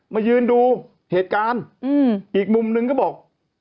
มายืนดูเหตุการณ์อีกมุมนึงก็บอก